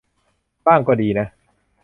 บ้างก็ดีนะ